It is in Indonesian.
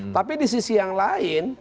tapi di sisi yang lain